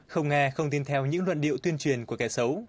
không nghe không tin theo những luận điệu tuyên truyền của kẻ xấu